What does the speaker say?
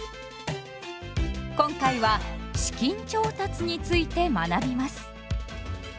今回は「資金調達」について学びます。